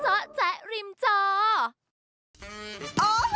เจ้าแจริมเจ้า